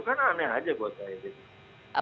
kan aneh aja buat saya sih